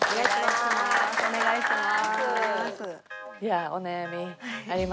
お願いします。